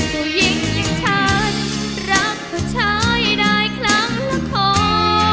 ผู้หญิงอย่างฉันรักผู้ชายได้ครั้งละคอ